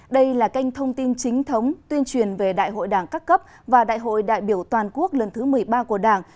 đây là kênh thông tin chính thống tuyên truyền về đại hội đảng các cấp và đại hội đại biểu toàn quốc lần thứ một mươi ba của đảng